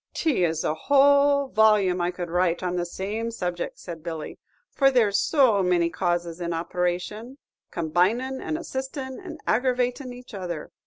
"'T is a whole volume I could write on the same subject," said Billy; "for there's so many causes in operation, com binin', and assistin', and aggravatin' each other.